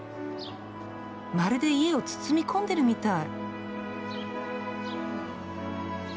まるで家を包み込んでるみたい。